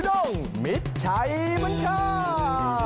จุดงมิดชัยมันคะ